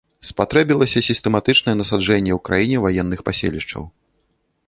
Спатрэбілася сістэматычнае насаджэнне ў краіне ваенных паселішчаў.